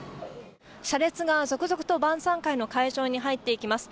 車列が続々と晩さん会の会場に入っていきます。